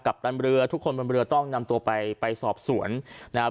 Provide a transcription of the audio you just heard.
ตันเรือทุกคนบนเรือต้องนำตัวไปไปสอบสวนนะครับ